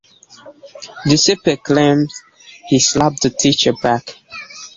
Duceppe claimed he slapped the teacher back.